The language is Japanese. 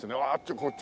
こっち